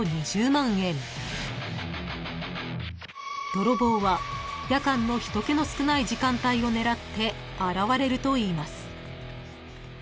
［ドロボーは夜間の人けの少ない時間帯を狙って現れるといいます］